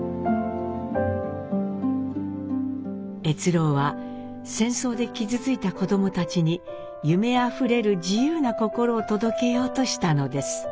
越郎は戦争で傷ついた子供たちに夢あふれる自由な心を届けようとしたのです。